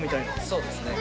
そうですね。